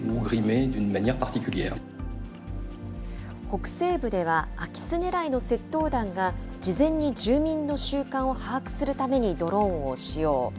北西部では空き巣狙いの窃盗団が事前に住民の習慣を把握するためにドローンを使用。